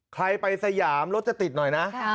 ใครไปสยามรถจะติดหน่อยนะ